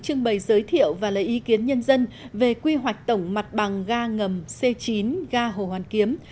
trưng bày giới thiệu và lấy ý kiến nhân dân về quy hoạch tổng mặt bằng ga ngầm c chín ga hồ hoàn kiếm